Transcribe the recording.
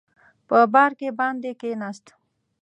په بارکي باندې کېناست.